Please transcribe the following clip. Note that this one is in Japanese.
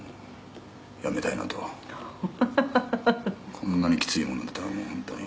「こんなにきついもんだったらもう本当に」